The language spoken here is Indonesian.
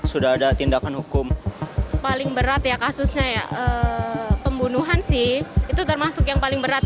sudah ada tindakan hukum paling berat ya kasusnya ya pembunuhan sih itu termasuk yang paling berat